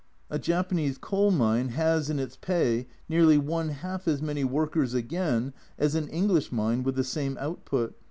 A Japanese coal mine has in its pay nearly one half as many workers again as an English mine with the same output.